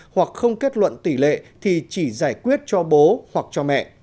hoặc không kết luận tỷ lệ thì chỉ giải quyết cho bố hoặc cho mẹ